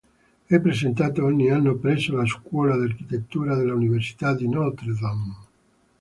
È presentato ogni anno presso la scuola di architettura dell'Università di Notre Dame.